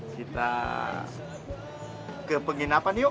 kita ke penginapan yuk